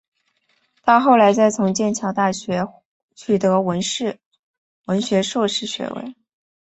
她后来再从剑桥大学取得文学硕士学位。